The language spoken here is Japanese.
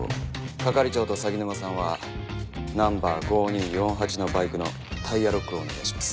係長と鷺沼さんはナンバー５２４８のバイクのタイヤロックをお願いします。